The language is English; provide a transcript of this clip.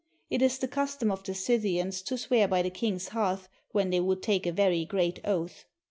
(It is the cus tom of the Scythians to swear by the king's hearth when they would take a very great oath.)